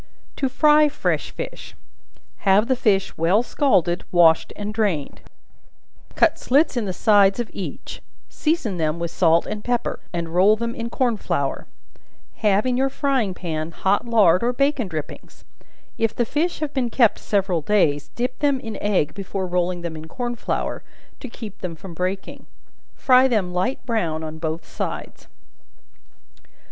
To Fry Fresh Fish. Have the fish well scalded, washed and drained; cut slits in the sides of each; season them with salt and pepper, and roll them in corn flour; have in your frying pan hot lard or bacon drippings; if the fish have been kept several days, dip them in egg before rolling them in corn flour, to keep them from breaking; fry them light brown on both sides.